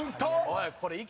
おい！